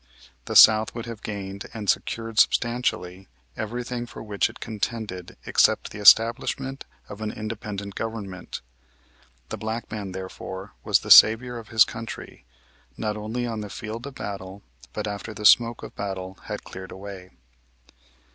The South would have gained and secured substantially everything for which it contended except the establishment of an independent government. The black man, therefore, was the savior of his country, not only on the field of battle, but after the smoke of battle had cleared away.